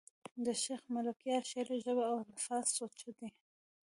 د شېخ ملکیار د شعر ژبه او الفاظ سوچه دي.